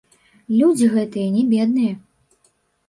Людзі гэтыя не бедныя.